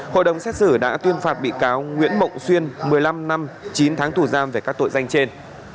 hội đồng xét xử đã tuyên phạt bị cáo nguyễn mộng xuyên một mươi năm năm chín tháng tù giam về các tội danh trên